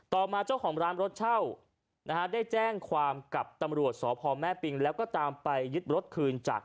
ต่อมาเจ้าของร้านรถเช่านะฮะได้แจ้งความกับตำรวจสพแม่ปิงแล้วก็ตามไปยึดรถคืนจาก